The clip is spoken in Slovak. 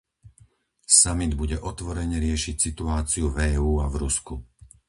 Samit bude otvorene riešiť situáciu v EÚ a v Rusku.